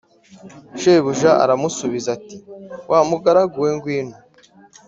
shebuja aramusubiza ati Wa mugaragu we ngwino